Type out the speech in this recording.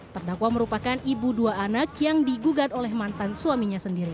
terdakwa merupakan ibu dua anak yang digugat oleh mantan suaminya sendiri